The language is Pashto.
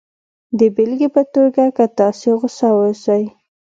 د بېلګې په توګه که تاسې غسه اوسئ